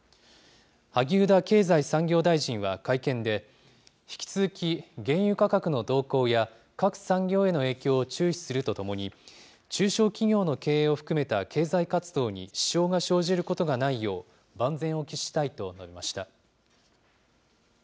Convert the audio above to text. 萩生田経済産業大臣は会見で、引き続き原油価格の動向や各産業への影響を注視するとともに、中小企業の経営を含めた経済活動に支障が生じることがないよう、万全を期したいと述べました。